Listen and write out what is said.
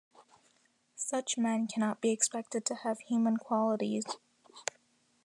Such men cannot be expected to have human qualities.